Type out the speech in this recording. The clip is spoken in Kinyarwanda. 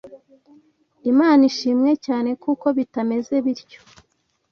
Imana ishimwe cyane kuko bitameze bityo